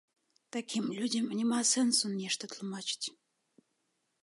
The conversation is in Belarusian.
Такім людзям няма сэнсу нешта тлумачыць.